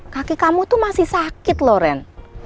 kaki kamu tuh masih sakit loh ren